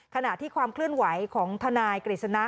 ขณะที่ความเคลื่อนไหวของทนายกฤษณะ